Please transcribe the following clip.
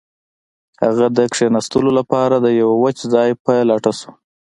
هغه د کښیناستلو لپاره د یو وچ ځای په لټه شو